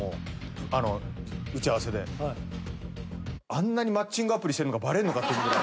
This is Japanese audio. あんなにマッチングアプリしてんのがバレんのかってぐらい。